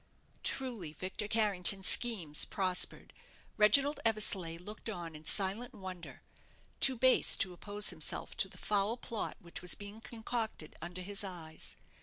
Truly, Victor Carrington's schemes prospered. Reginald Eversleigh looked on in silent wonder too base to oppose himself to the foul plot which was being concocted under his eyes.